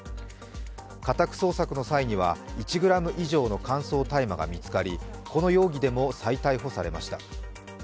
家宅捜索の際には、１ｇ以上の乾燥大麻が見つかり、この容疑でも再逮捕されました。